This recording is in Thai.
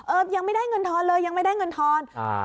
ยังไม่ได้เงินทอนเลยยังไม่ได้เงินทอนอ่า